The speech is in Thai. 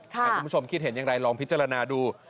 คุณผู้ชมคิดเห็นอย่างไรลองพิจารณาดู